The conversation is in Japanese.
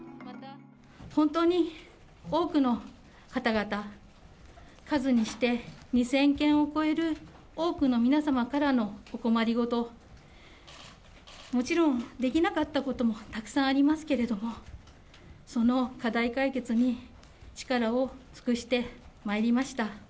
本当に多くの方々、数にして２０００件を超える多くの皆様からのお困り事、もちろん、できなかったこともたくさんありますけれども、その課題解決に力を尽くしてまいりました。